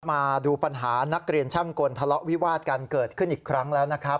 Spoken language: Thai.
มาดูปัญหานักเรียนช่างกลทะเลาะวิวาดกันเกิดขึ้นอีกครั้งแล้วนะครับ